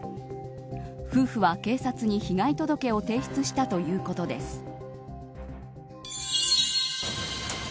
夫婦は警察に被害届を提出したということです。